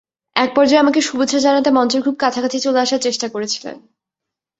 একপর্যায়ে আমাকে শুভেচ্ছা জানাতে মঞ্চের খুব কাছাকাছি চলে আসার চেষ্টা করেছিলেন।